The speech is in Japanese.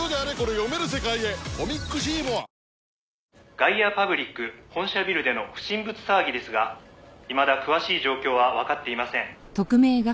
「ガイアパブリック本社ビルでの不審物騒ぎですがいまだ詳しい状況はわかっていません」